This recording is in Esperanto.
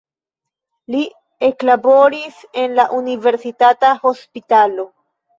Li eklaboris en la universitata hospitalo.